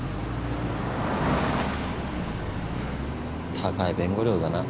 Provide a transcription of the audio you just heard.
高い弁護料だな。